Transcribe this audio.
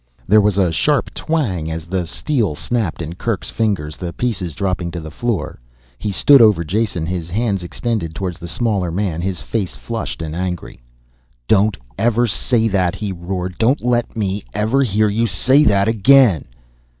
There was a sharp twang as the steel snapped in Kerk's fingers, the pieces dropping to the floor. He stood, over Jason, his hands extended towards the smaller man, his face flushed and angry. "Don't ever say that," he roared. "Don't let me ever hear you say that again!"